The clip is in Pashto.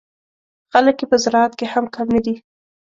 خلک یې په زراعت کې هم کم نه دي.